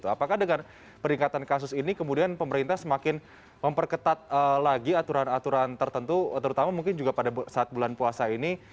apakah dengan peningkatan kasus ini kemudian pemerintah semakin memperketat lagi aturan aturan tertentu terutama mungkin juga pada saat bulan puasa ini